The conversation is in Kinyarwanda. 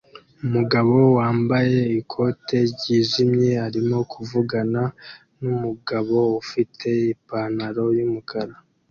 Umugabo wambaye ikote ryijimye arimo kuvugana numugabo ufite ipantaro yumukara